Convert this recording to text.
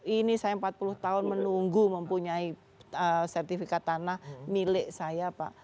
ini saya empat puluh tahun menunggu mempunyai sertifikat tanah milik saya pak